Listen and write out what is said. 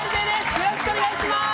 よろしくお願いします！